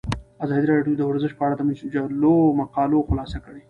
ازادي راډیو د ورزش په اړه د مجلو مقالو خلاصه کړې.